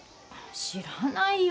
知らないよ。